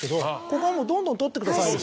ここはどんどん撮ってください。